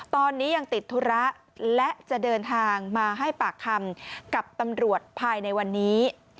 ตอนนี้ยังติดธุระและจะเดินทางมาให้ปากคำกับตำรวจภายในวันนี้